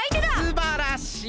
すばらしい！